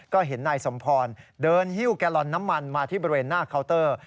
ก็เห็นนายสมพรเดินหิ้วแกลลอนน้ำมันมาที่บริเวณหน้าเคาน์เตอร์